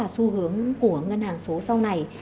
xu hướng của ngân hàng số sau này